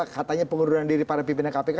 katanya pengunduran diri para pimpinan kpk